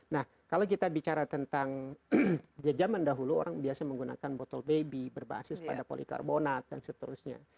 nah kalau kita bicara tentang zaman dahulu orang biasa menggunakan botol baby berbasis pada polikarbonat dan seterusnya